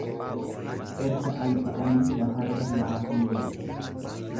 Erga alba'anii lafarra yaasuu wayya.